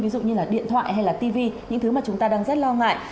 ví dụ như là điện thoại hay là tv những thứ mà chúng ta đang rất lo ngại